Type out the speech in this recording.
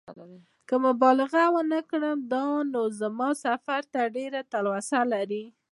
که مبالغه ونه کړم دا نو زما سفر ته ډېره تلوسه لري.